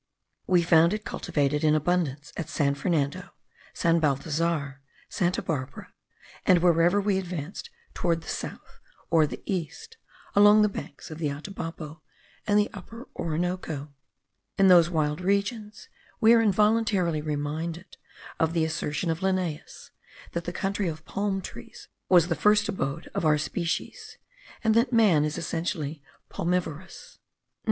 We found it cultivated in abundance at San Fernando, San Balthasar, Santa Barbara, and wherever we advanced towards the south or the east along the banks of the Atabapo and the Upper Orinoco. In those wild regions we are involuntarily reminded of the assertion of Linnaeus, that the country of palm trees was the first abode of our species, and that man is essentially palmivorous.